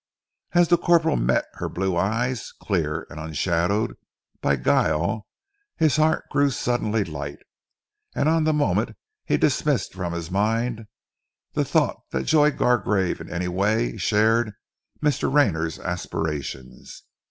As the corporal met her blue eyes, clear and unshadowed by guile, his heart grew suddenly light, and on the moment he dismissed from his mind the thought that Joy Gargrave in any way shared Mr. Rayner's aspirations.